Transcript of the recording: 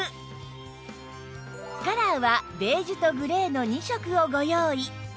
カラーはベージュとグレーの２色をご用意